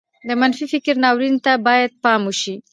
د منفي فکر ناورين ته بايد پام وشي.